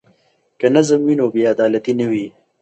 که نظم وي نو بې عدالتي نه وي.